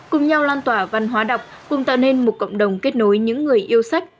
cùng nhau lan tỏa văn hóa đọc cùng tạo nên một cộng đồng kết nối những người yêu sách